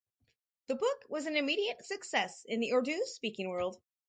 The book was an immediate success in the Urdu speaking world.